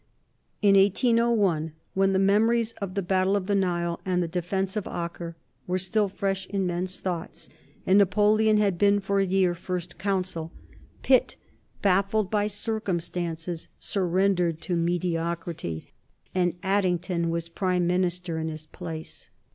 In 1801 when the memories of the battle of the Nile and the defence of Acre were still fresh in men's thoughts, and Napoleon had been for a year First Consul Pitt, baffled by circumstances, surrendered to mediocrity and Addington was Prime Minister in his place.